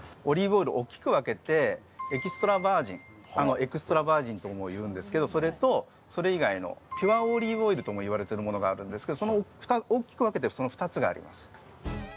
エクストラバージンとも言うんですけど、それとそれ以外のピュアオリーブオイルとも言われているものがあるんですけど、大きく分けてその２つがあります。